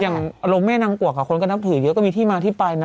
อย่างโรงแม่นางกวกคนก็นับถือเยอะก็มีที่มาที่ไปนะ